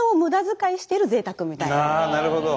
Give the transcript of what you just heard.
ああなるほど。